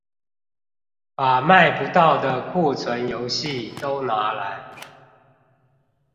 把賣不到的庫存遊戲都拿來